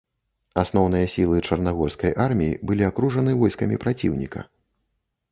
Асноўныя сілы чарнагорскай арміі былі акружаны войскамі праціўніка.